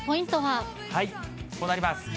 こうなります。